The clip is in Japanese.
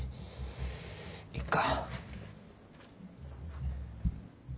いっか。